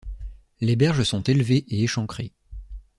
Les berges sont élevées et échancrées.